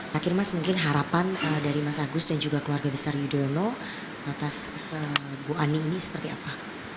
terakhir mas mungkin harapan dari mas agus dan juga keluarga besar yudhoyono atas bu ani ini seperti apa